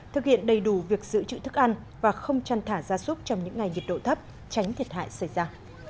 thực hiện đầy đủ việc giữ chữ thức ăn và không chăn thả ra súc trong những ngày nhiệt độ thấp tránh thiệt hại xảy ra